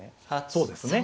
そうですね。